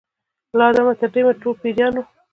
له آدمه تر دې دمه ټول پیران یو